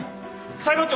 裁判長！